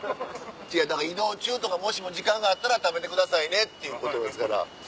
違うだから移動中とかもしも時間があったら食べてくださいねっていうことですから。